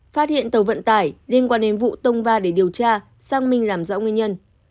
phát hiện tàu vận tải liên quan đến vụ tông va để điều tra xác minh làm rõ nguyên nhân